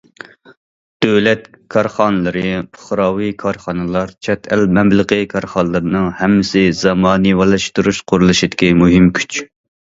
دۆلەت كارخانىلىرى، پۇقراۋى كارخانىلار، چەت ئەل مەبلىغى كارخانىلىرىنىڭ ھەممىسى زامانىۋىلاشتۇرۇش قۇرۇلۇشىدىكى مۇھىم كۈچ.